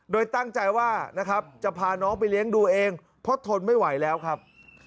โดยตั้งใจว่านะครับจะพาน้องไปเลี้ยงดูเองเพราะทนไม่ไหวแล้วครับ